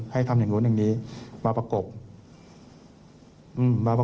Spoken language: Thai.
ให้ทำอย่างนู้นอย่างนี้มาปรากกป